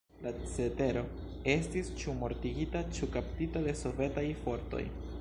La cetero estis ĉu mortigita ĉu kaptita de sovetaj fortoj.